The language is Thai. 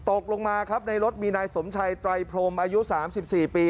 ตกลงมาครับในรถมีนายสมชัยไตรพรมอายุ๓๔ปี